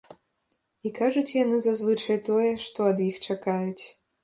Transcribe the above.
І кажуць яны зазвычай тое, што ад іх чакаюць.